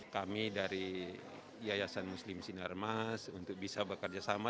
kami dari yayasan muslim sinar mas untuk bisa bekerjasama